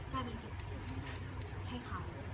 กล้าไปคิดให้เขา